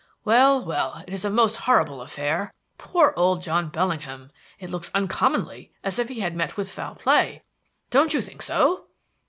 Well, well, it is a most horrible affair. Poor old John Bellingham! it looks uncommonly as if he had met with foul play. Don't you think so?"